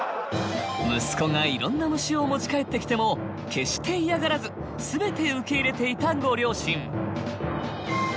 息子がいろんな虫を持ち帰ってきても決して嫌がらず全て受け入れていたご両親。